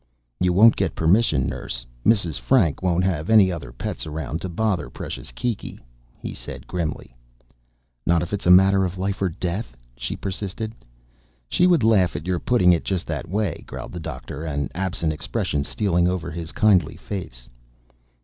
"You won't get permission, nurse. Mrs. Frank won't have any other pets around to bother precious Kiki," he said grimly. "Not if it's a matter of life or death?" she persisted. "She would laugh at your putting it just that way," growled the doctor, an absent expression stealing over his kindly face.